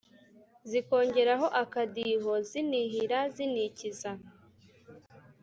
zikongeraho akadiho zinihira zinikiza